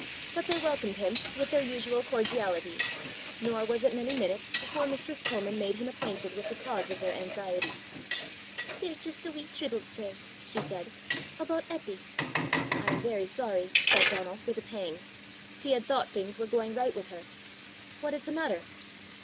But they welcomed him with their usual cordiality, nor was it many minutes before mistress Comin made him acquainted with the cause of their anxiety. "We're jist a wee triblet, sir," she said, "aboot Eppy!" "I am very sorry," said Donal, with a pang: he had thought things were going right with her. "What is the matter?"